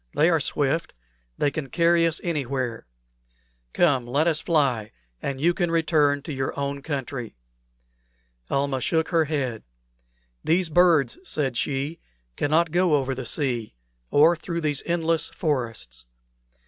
They are swift. They can carry us anywhere. Come, let us fly, and you can return to your own country." Almah shook her head. "These birds," said she, "cannot go over the sea, or through these endless forests.